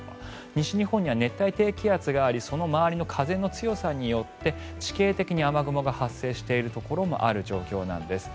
西日本には熱帯低気圧がありその周りの風の強さによって地形的に雨雲が発生しているところもある状況なんです。